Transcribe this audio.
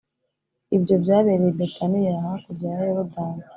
Ibyo byabereye i Betaniya hakurya ya Yorodani